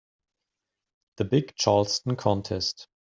The big Charleston contest.